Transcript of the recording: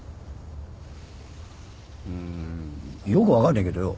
うーんよく分かんねえけどよ